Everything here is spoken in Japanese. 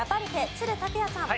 都留拓也さん。